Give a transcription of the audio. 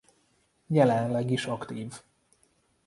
Jelenleg is aktív.